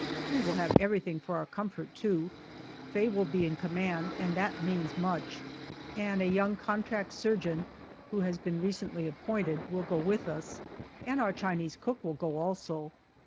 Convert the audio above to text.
We will have everything for our comfort, too. Faye will be in command, and that means much, and a young contract surgeon, who has been recently appointed, will go with us, and our Chinese cook will go also.